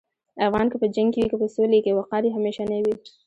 افغان که په جنګ کې وي که په سولې کې، وقار یې همیشنی وي.